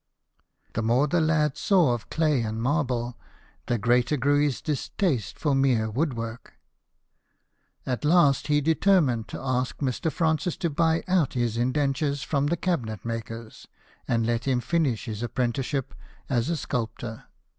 The more the lad saw of clay and marble, the greater grew his distaste for mere wood work. At last, he determined to ask Mr. Francis to buy out his indentures from the cabinet makers, and let him finish his appren ticeship as a sculptor.